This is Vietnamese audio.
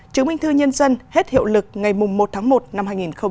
chứng minh thư nhân dân hết hiệu lực ngày một tháng một năm hai nghìn hai mươi